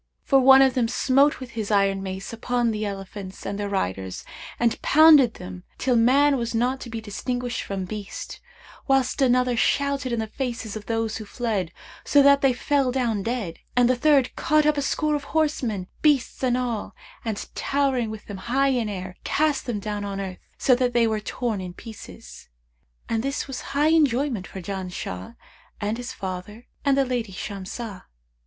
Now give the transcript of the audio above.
For one of them smote with his iron mace upon the elephants and their riders and pounded them till man was not to be distinguished from beast; whilst another shouted in the faces of those who fled, so that they fell down dead; and the third caught up a score of horsemen, beasts and all; and, towering with them high in air, cast them down on earth, so that they were torn in pieces. And this was high enjoyment for Janshah and his father and the lady Shamsah."